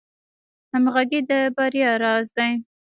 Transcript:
همغږي د بریا راز دی